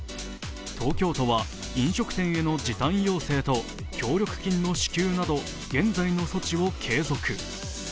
東京都は、飲食店への時短要請と協力金の支給など現在の措置を継続。